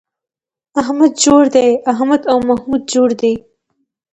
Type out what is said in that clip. احمد جوړ دی → احمد او محمود جوړ دي